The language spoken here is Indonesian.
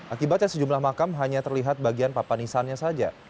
akibatnya sejumlah makam hanya terlihat bagian papanisannya saja